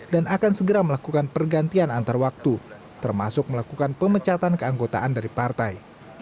dan akan segera melakukan pergantian antar waktu termasuk melakukan pemecatan keanggotaan dari partai